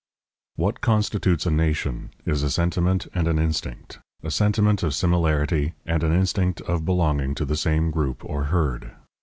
What constitutes a nation is a sentiment and an instinct, a sentiment of similarity and an instinct of belonging to the same group or herd.